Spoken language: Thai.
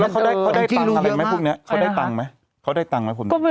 แล้วเขาได้ตังค์อะไรไหมพวกนี้เขาได้ตังค์ไหมเขาได้ตังค์ไหมผม